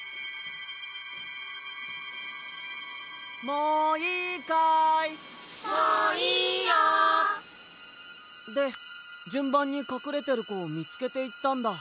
もういいよ！でじゅんばんにかくれてるこをみつけていったんだ。